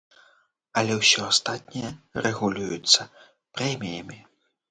Але ўсё астатняе рэгулюецца прэміямі.